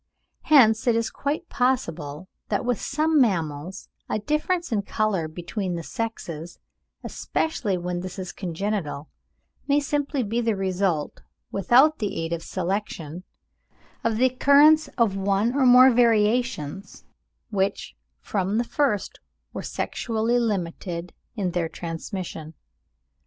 Hence it is quite possible that with some mammals a difference in colour between the sexes, especially when this is congenital, may simply be the result, without the aid of selection, of the occurrence of one or more variations, which from the first were sexually limited in their transmission.